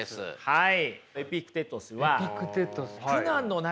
はい。